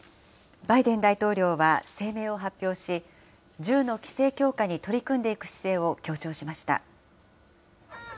バイデン大統領は声明を発表し、銃の規制強化に取り組んでいく姿勢を強調しました。